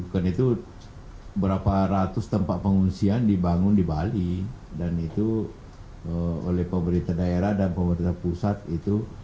karena itu berapa ratus tempat pengungsian dibangun di bali dan itu oleh pemerintah daerah dan pemerintah pusat itu